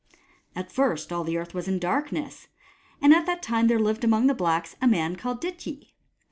At first, all the earth was in darkness ; and at that time there lived among the blacks a man called Dityi.